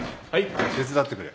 手伝ってくれ。